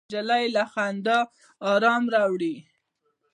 نجلۍ له خندا ارام راوړي.